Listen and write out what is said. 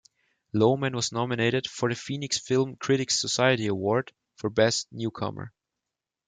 Lohman was nominated for the Phoenix Film Critics Society Award for Best Newcomer.